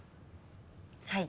はい。